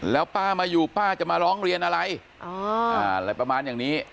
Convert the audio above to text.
แล้วป้ามาอยู่ป้าจะมาร้องเรียนอะไรอะไรประมาณอย่างนี้